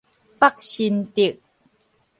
北新竹